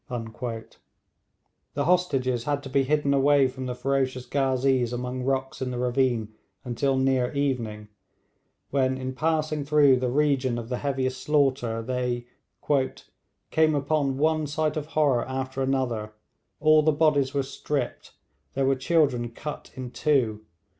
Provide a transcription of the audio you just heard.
The hostages had to be hidden away from the ferocious ghazees among rocks in the ravine until near evening, when in passing through the region of the heaviest slaughter they 'came upon one sight of horror after another. All the bodies were stripped. There were children cut in two.